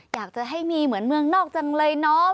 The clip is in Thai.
อยากจะให้มีเหมือนเมืองนอกจังเลยเนาะ